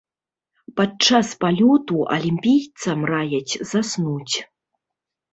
Падчас палёту алімпійцам раяць заснуць.